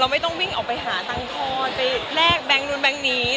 ไม่ต้อง๋ยิ่งเพิ่งออบบาทถ้าเราแจ้งตระจงเงิน